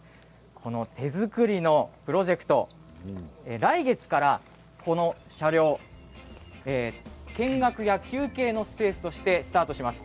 この手作りのプロジェクト来月からこの車両見学や休憩のスペースとしてスタートします。